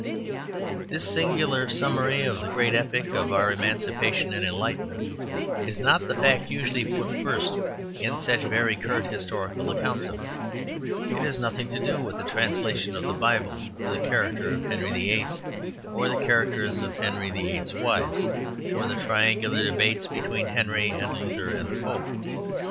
This singular summary of the great epoch of our emancipation and enlightenment is not the fact usually put first in such very curt historical accounts of it. It has nothing to do with the translation of the Bible, or the character of Henry VIII., or the characters of Henry VIII.'s wives, or the triangular debates between Henry and Luther and the Pope.